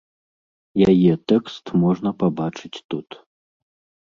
Яе тэкст можна пабачыць тут.